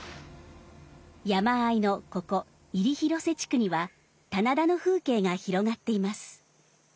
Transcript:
山あいのここ入広瀬地区には棚田の風景が広がっています。